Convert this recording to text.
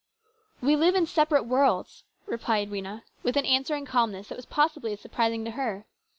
" We live in separate worlds," replied Rhena with an answering calmness that was possibly as surprising to her.